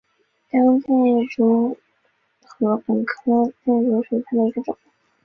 凋叶箭竹为禾本科箭竹属下的一个种。